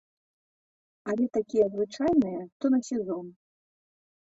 Але такія звычайныя, то на сезон.